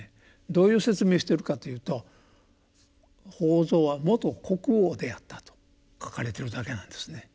どういう説明してるかというと「法蔵は元国王であった」と書かれてるだけなんですね。